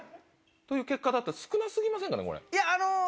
という結果だったら少な過ぎませんかねこれ。